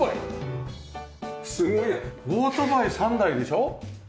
すげえオートバイ３台でしょ。